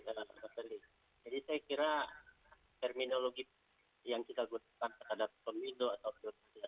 jadi saya kira terminologi yang kita gunakan terhadap pemindu atau pilih pilih